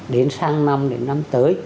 đến sáng năm đến năm tới